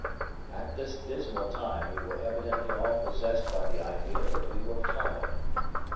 At this dismal time we were evidently all possessed by the idea that we were followed.